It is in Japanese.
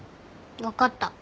分かった。